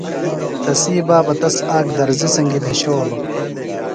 تسی بابہ تس آک درزیۡ سنگیۡ بھیۡشولوۡ۔